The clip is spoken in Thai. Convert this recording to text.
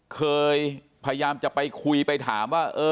เคยพยายามจะไปคุยไปถามว่า